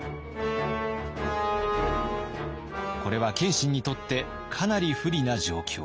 これは謙信にとってかなり不利な状況。